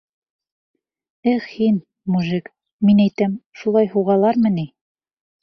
Эх һин, мужик, мин әйтәм, шулай һуғалармы ни?